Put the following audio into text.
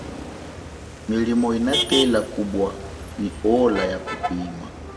Milimo inatela kubwa nyi ola ya kuhwima.